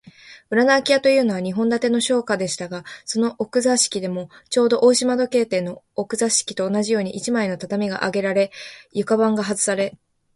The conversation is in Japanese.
裏のあき家というのは、日本建ての商家でしたが、その奥座敷でも、ちょうど大鳥時計店の奥座敷と同じように、一枚の畳があげられ、床板がはずされ、